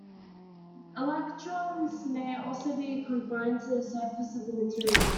Electrons may also be confined to the surface of a material.